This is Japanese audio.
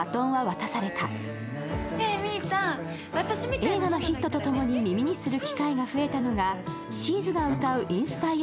映画のヒットとともに耳にする機会が増えたのはＳＨＥ’Ｓが歌うインスパイア